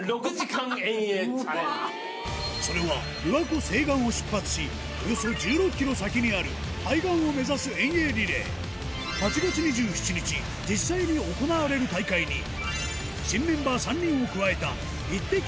それは琵琶湖西岸を出発しおよそ１６ｋｍ先にある対岸を目指す遠泳リレー８月２７日実際に行われる大会に新メンバー３人を加えたイッテＱ！